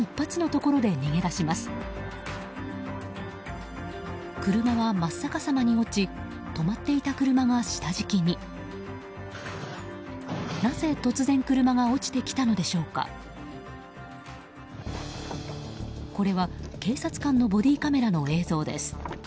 これは、警察官のボディーカメラの映像です。